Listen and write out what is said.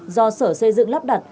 do sở xây dựng lắp đặt